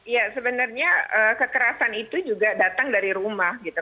ya sebenarnya kekerasan itu juga datang dari rumah gitu